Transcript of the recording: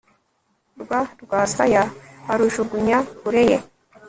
rwa rwasaya arujugunya kure ye